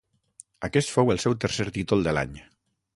Aquest fou el seu tercer títol de l'any.